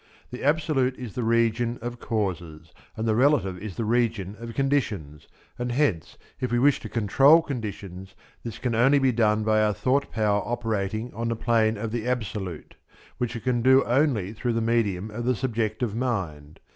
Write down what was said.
The absolute is the region of causes, and the relative is the region of conditions; and hence, if we wish to control conditions, this can only be done by our thought power operating on the plane of the absolute, which it can do only through the medium of the subjective mind.